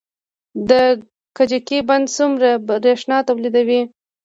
د کجکي بند څومره بریښنا تولیدوي؟